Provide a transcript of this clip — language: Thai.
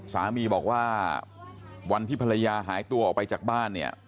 สามีบอกว่าวันที่ภรรยาหายตัวออกไปจากบ้านเนี่ย